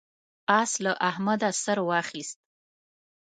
اس له احمده سر واخيست.